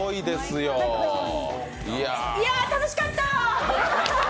いや、楽しかった！